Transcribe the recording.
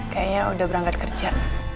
kayaknya udah berangkat kerja